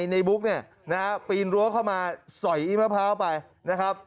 ในบุ๊กเนี่ยนะฮะปีนรั้วเข้ามาสอยมะพร้าวไปนะครับ